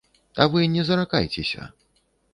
А вы не заракайцеся.